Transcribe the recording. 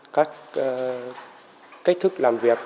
các cách thức làm việc